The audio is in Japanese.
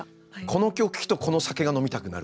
この曲聴くとこの酒が飲みたくなるとか。